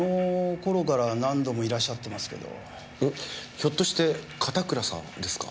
ひょっとして片倉さんですか？